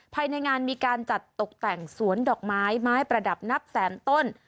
ภายในงานมีการจัดตกแต่งสวนดอกไม้ไม้ประดับนับแสนต้น